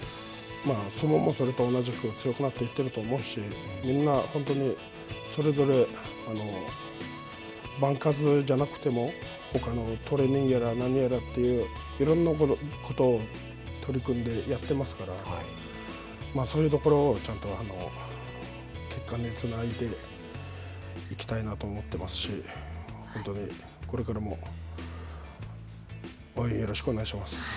相撲も同じく強くなっていっていると思うしみんな本当にそれぞれ番数じゃなくてもほかのトレーニングやら何やらといういろんなことを取り組んでやってますからそういうところをちゃんと結果につないでいきたいなと思ってますし本当に、これからも応援よろしくお願いします。